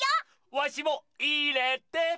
わしもいれて！